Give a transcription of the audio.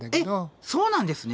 えっそうなんですね。